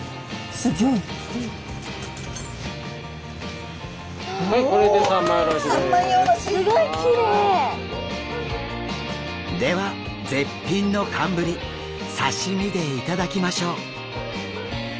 すごいきれい！では絶品の寒ぶり刺身で頂きましょう。